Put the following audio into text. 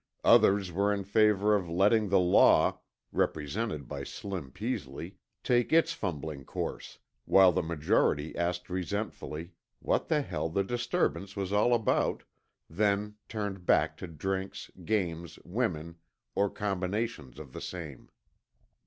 Others were in favor of letting the law, represented by Slim Peasley, take its fumbling course, while the majority asked resentfully what the hell the disturbance was all about, then turned back to drinks, games, women, or combinations of the same.